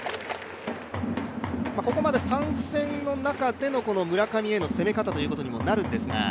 ここまで３戦の中での村上への攻め方ということにもなるんですが。